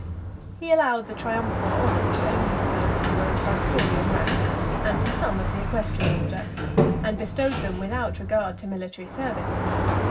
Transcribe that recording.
He allowed the triumphal honours only to those who were of quaestorian rank, and to some of the equestrian order; and bestowed them without regard to military service.